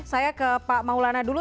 saya ke pak maulana dulu